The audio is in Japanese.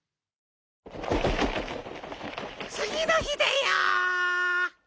つぎのひだよ！